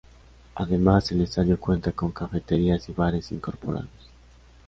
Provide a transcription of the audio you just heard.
Además el estadio cuenta con cafeterías y bares incorporados.